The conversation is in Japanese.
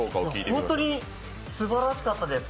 本当にすばらしかったです。